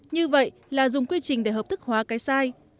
như vậy là dùng quy trình để hợp thức hóa cái sai